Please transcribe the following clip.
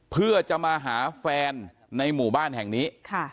เพื่อจะมาหาแฟนในหมู่บ้านแห่งนี้